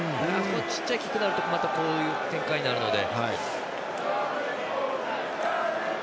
小さいキックになるとまたこういう展開になるので。